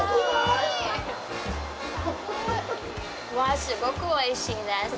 わあ、すごくおいしいです。